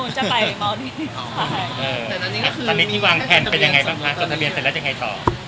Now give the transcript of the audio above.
สัตว์นี้ที่วางแพลนไปยังไงบ้างไปแล้วจะยังไงต่อ